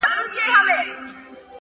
• هر ځای شړکنده باران راپسي ګرځي ,